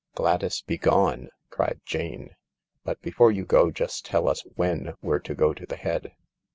" Gladys, begone !" cried Jane ;" but before you go just tell us when we're to go to the Head."